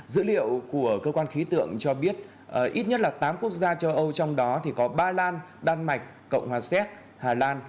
dữ liệu của cơ quan khí tượng cho biết ít nhất là tám quốc gia châu âu trong đó có ba lan đan mạch cộng hòa séc hà lan